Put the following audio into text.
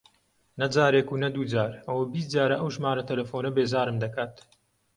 نە جارێک و نە دوو جار، ئەوە بیست جارە ئەو ژمارە تەلەفۆنە بێزارم دەکات.